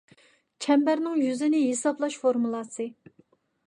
چەمبەرنىڭ يۈزىنى ھېسابلاش فورمۇلاسى